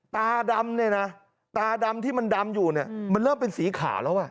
ตาดำเนี่ยนะตาดำที่มันดำอยู่เนี่ยมันเริ่มเป็นสีขาวแล้วอ่ะ